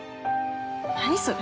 何それ？